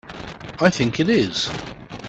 I think it is.